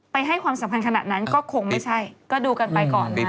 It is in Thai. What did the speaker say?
ไปให้ความสัมพันธ์ขนาดนั้นก็คงไม่ใช่ก็ดูกันไปก่อนไหม